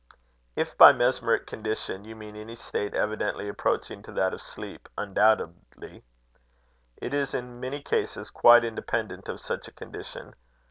"If by mesmeric condition you mean any state evidently approaching to that of sleep undoubtedly. It is, in many cases, quite independent of such a condition.